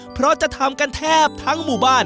เพราะจะทำกันแทบทั้งหมู่บ้าน